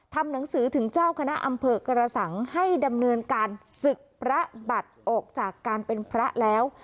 ทำหนังสือถึงเจ้าคณะอำเภอกระสังให้ดำเนินการศึกพระบัตรออกจากการเป็นพระแล้ว